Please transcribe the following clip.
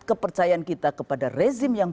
kepercayaan kita kepada rezim yang